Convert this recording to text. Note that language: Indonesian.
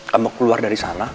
kamu keluar dari sana